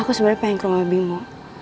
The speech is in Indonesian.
aku sebenernya pengen ke rumah bimo